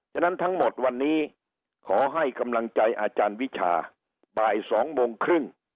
ฉะนั้นทั้งหมดวันนี้ขอให้กำลังใจอาจารย์วิชาบ่าย๒โมงครึ่ง